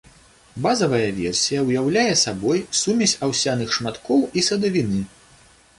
Базавая версія ўяўляе сабой сумесь аўсяных шматкоў і садавіны.